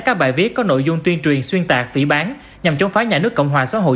các bài viết có nội dung tuyên truyền xuyên tạc phỉ bán nhằm chống phá nhà nước cộng hòa xã hội